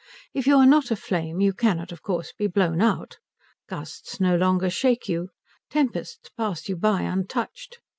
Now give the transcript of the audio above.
If you are not a flame you cannot, of course, be blown out. Gusts no longer shake you. Tempests pass you by untouched.